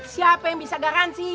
siapa yang bisa garansi